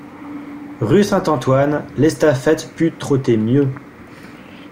Rue Saint-Antoine, l'estafette put trotter mieux.